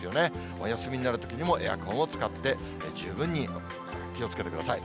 お休みになるときにも、エアコンを使って、十分に気をつけてください。